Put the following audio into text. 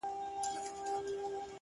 زه د شرابيانو قلندر تر ملا تړلى يم’